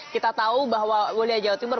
kita tahu bahwa wilayah jawa timur